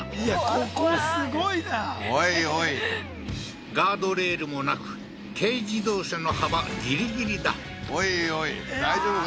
ここすごいなおいおいガードレールもなく軽自動車の幅ギリギリだおいおい大丈夫か？